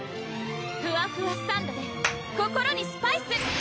ふわふわサンドｄｅ心にスパイス！